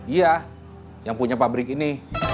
iya yang punya pabrik ini